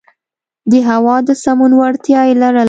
د هوا د سمون وړتیا یې لرله.